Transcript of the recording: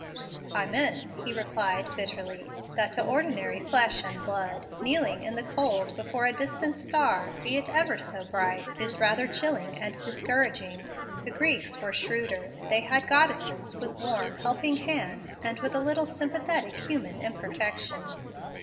"I meant," he replied bitterly, "that to ordinary flesh and blood, kneeling in the cold before a distant star, be it ever so bright, is rather chilling and discouraging. The Greeks were shrewder. They had goddesses with warm, helping hands, and with a little sympathetic, human imperfection."